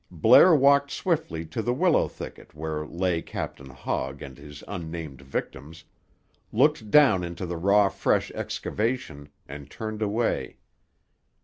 Blair walked swiftly to the willow thicket where lay Captain Hogg and his unnamed victims, looked down into the raw fresh excavation, and turned away.